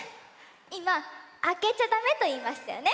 いま「あけちゃだめ」といいましたよね。